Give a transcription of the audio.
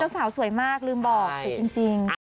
เจ้าสาวสวยมากลืมบอกจริง